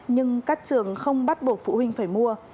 nhưng các trường không bắt buộc phụ huynh phải mua